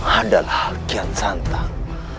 adalah kian santang